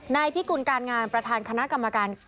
นายพิกุลการงานประธานคณะกรรมการ